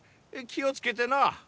気を付けてな。